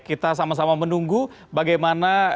kita sama sama menunggu bagaimana